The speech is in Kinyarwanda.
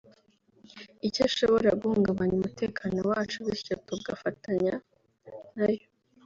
icyashobora guhungabanya umutekano wacu bityo tugafatanya nayo”